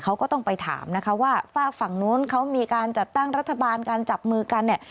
เขาก็ต้องไปถามนะคะว่าฝากฝั่งนู้นเขามีการจัดตั้งรัฐบาลการจับมือกันเนี่ย